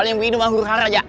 kalo yang minum akur akur aja